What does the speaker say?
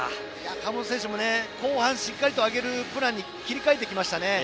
川本選手も後半しっかり上げるプランに切り替えてきましたね。